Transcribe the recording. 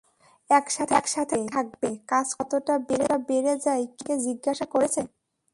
একসাথে থাকবে, কাজকর্ম কতটা বেড়ে যায় কেউ আমাকে জিজ্ঞাসা করেছে।